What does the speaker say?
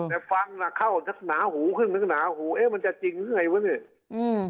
แต่ฟังน่ะเข้าหนาหูครึ่งถึงหนาหูเอ๊ะมันจะจริงหรือไงวะเนี่ยอืม